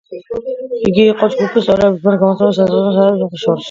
იგი იყო ჯგუფის წევრების მიერ გამოცემულ სოლო-ალბომებს შორის მესამე.